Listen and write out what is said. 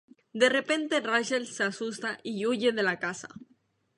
De repente, Rachel se asusta y huye de la casa.